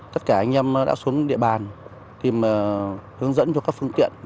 tất cả anh em đã xuống địa bàn tìm hướng dẫn cho các phương tiện